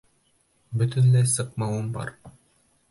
Бөтөнләй сыҡмауым бар.